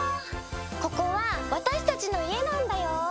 ここはわたしたちのいえなんだよ。